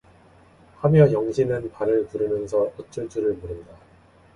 하며 영신은 발을 구르면서 어쩔 줄을 모른다.